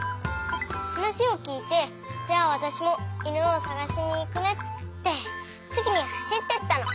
はなしをきいてじゃあわたしもいぬをさがしにいくねってすぐにはしっていったの。